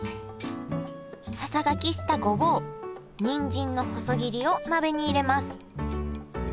ささがきしたごぼうにんじんの細切りを鍋に入れます。